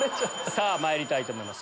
さぁまいりたいと思います。